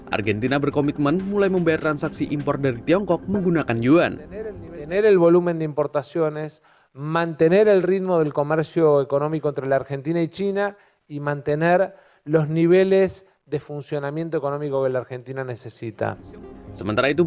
argentina berkomitmen mulai membayar transaksi impor dari tiongkok menggunakan yuan